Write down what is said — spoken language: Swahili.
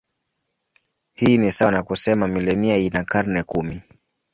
Hii ni sawa na kusema milenia ina karne kumi.